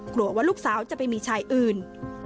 กลัวว่าลูกสาวจะไปมีชายอื่น